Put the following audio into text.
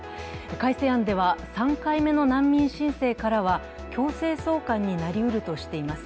改正案では３回目の難民申請からは、強制送還になりうるとしています。